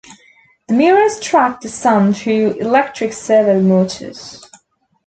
The mirrors track the sun through electric servo motors.